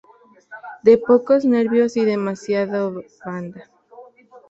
De pocos nervios y demasiado blanda.